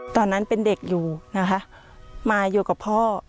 ตอนนั้นเป็นเด็กอยู่นะคะมาอยู่กับพ่อ